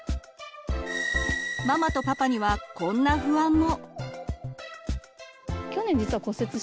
ママとパパにはこんな不安も。